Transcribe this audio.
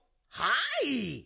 はい。